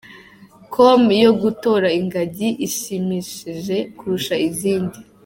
com yo gutora ingagi ishimisheje kurusha izindi.